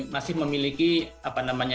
masih memiliki apa namanya